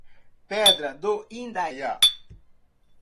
Pedra do Indaiá